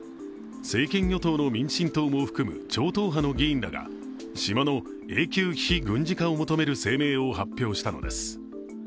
政権与党の民進党も含む超党派の議員らが島の永久非軍事化を求める声明を発表したのです。